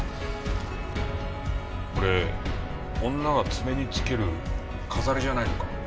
これ女が爪につける飾りじゃないのか？